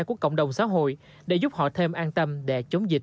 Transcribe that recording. của cộng đồng xã hội để giúp họ thêm an tâm để chống dịch